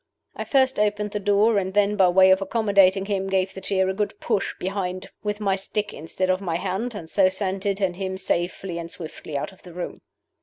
I first opened the door, and then, by way of accommodating him, gave the chair a good push behind with my stick instead of my hand, and so sent it and him safely and swiftly out of the room.